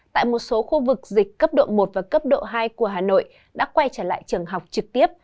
tại một số khu vực dịch cấp độ một và cấp độ hai của hà nội đã quay trở lại trường học trực tiếp